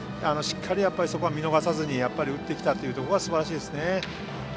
しっかりそこは見逃さずに打ってきたところはすばらしいですね。